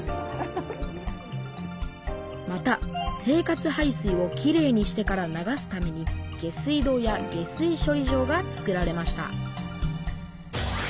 また生活排水をきれいにしてから流すために下水道や下水処理場がつくられました